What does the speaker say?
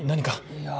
いや。